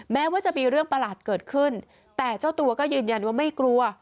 แม้ว่าจะมีเรื่องประหลาดเกิดขึ้นแต่เจ้าตัวก็ยืนยันว่าไม่กลัว